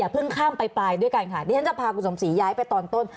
พึ่งข้ามไปด้วยกันค่ะที่ฉะนั้นจะพากุศมศรีย้ายไปตอนต้น